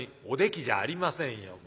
「おできじゃありませんよ